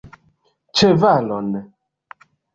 Ĉevalon!